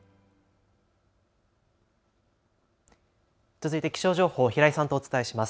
続いて気象情報、平井さんとお伝えします。